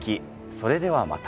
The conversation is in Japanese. それではまた。